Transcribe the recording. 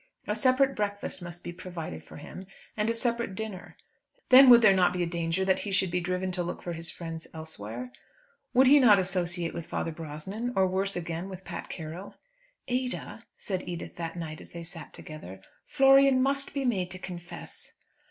A separate breakfast must be provided for him, and a separate dinner. Then would there not be danger that he should be driven to look for his friends elsewhere? Would he not associate with Father Brosnan, or, worse again, with Pat Carroll? "Ada," said Edith that night as they sat together, "Florian must be made to confess."